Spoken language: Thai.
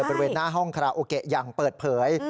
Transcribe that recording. บริเวณหน้าห้องคาราโอเกะอย่างเปิดเผย